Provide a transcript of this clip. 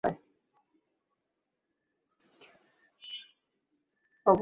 অবশেষে এটাকেই আমার বাড়ির মতো মনে হল।